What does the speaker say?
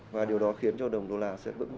và điều đó khiến cho đồng đô la sẽ vững